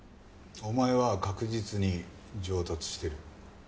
お前は確実に上達してる。